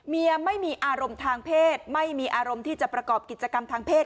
เมียไม่มีอารมณ์ทางเพศไม่มีอารมณ์ที่จะประกอบกิจกรรมทางเพศ